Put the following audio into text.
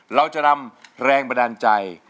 เราจะนำแรงบันดาลใจ